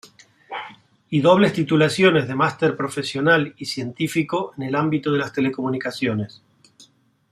Y dobles titulaciones de Máster profesional y científico en el ámbito de las Telecomunicaciones.